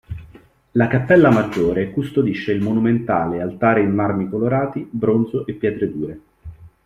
La Cappella Maggiore custodisce il monumentale altare in marmi colorati, bronzo e pietre dure.